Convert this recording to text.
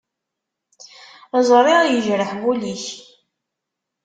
Ẓriɣ yejreḥ wul-ik.